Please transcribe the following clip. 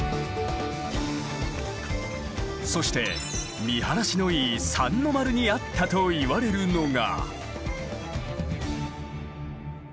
そして見晴らしのいい三ノ丸にあったと言われるのが。